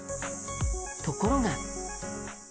ところが。